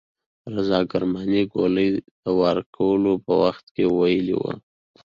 رضا کرماني د ګولۍ د وار کولو په وخت کې ویلي وو.